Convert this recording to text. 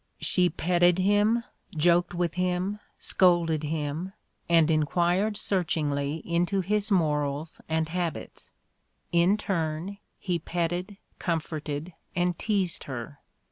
She petted him, joked with him, scolded him, and inquired search ingly into his morals and habits. In turn, he petted, comforted and teased her.